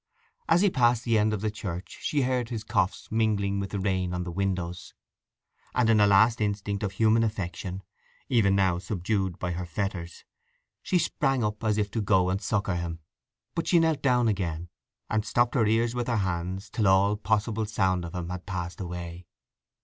As he passed the end of the church she heard his coughs mingling with the rain on the windows, and in a last instinct of human affection, even now unsubdued by her fetters, she sprang up as if to go and succour him. But she knelt down again, and stopped her ears with her hands till all possible sound of him had passed away.